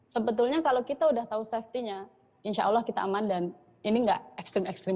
sebetulnya kalau kita udah tahu safety nya insyaallah kita aman dan ini enggak ekstrim